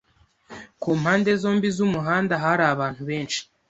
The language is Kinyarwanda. Ku mpande zombi z'umuhanda hari abantu benshi.